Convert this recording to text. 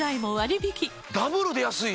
ダブルで安いな！